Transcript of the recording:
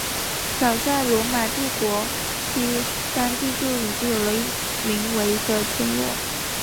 早在罗马帝国时期当地就已经有一个名为的村落。